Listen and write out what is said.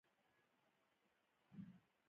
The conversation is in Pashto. افغانستان د اوږدو غرونو په برخه کې نړیوال شهرت لري.